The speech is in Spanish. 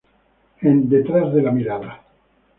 En: "Detrás de la mirada".